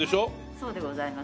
そうでございますね。